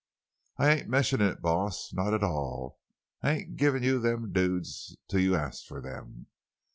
"I ain't mentionin' it, boss—not at all! I ain't givin' you them duds till you ast for them.